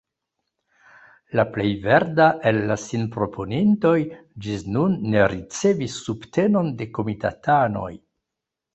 La plej verda el la sinproponintoj ĝis nun ne ricevis subtenon de komitatanoj.